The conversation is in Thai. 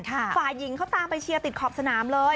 ฝ่ายหญิงเขาตามไปเชียร์ติดขอบสนามเลย